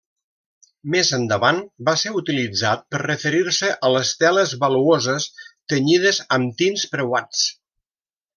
Més endavant va ser utilitzat per referir-se a les teles valuoses tenyides amb tints preuats.